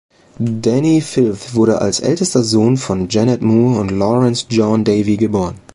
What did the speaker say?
Dani Filth wurde als ältester Sohn von Janet Moore und Lawrence John Davey geboren.